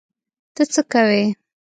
ته څه کوې؟